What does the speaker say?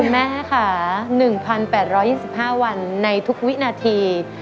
แม่ค่ะ๑๘๒๕วันในทุกวินาที